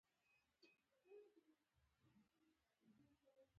ښایست د ځوانۍ هیلې ده